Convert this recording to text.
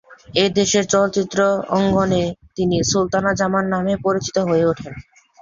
এ দেশের চলচ্চিত্র অঙ্গনে তিনি সুলতানা জামান নামেই পরিচিত হয়ে ওঠেন।